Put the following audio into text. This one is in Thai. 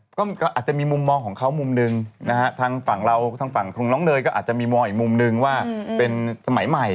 ก็อาจจะมีมุมมองของเขามุมหนึ่งนะฮะทางฝั่งเราทางฝั่งของน้องเนยก็อาจจะมีมองอีกมุมนึงว่าเป็นสมัยใหม่